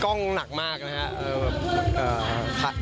กล้องหนักมากนะครับ